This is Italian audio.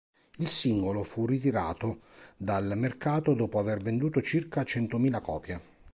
Il singolo fu ritirato dal mercato dopo aver venduto circa centomila copie.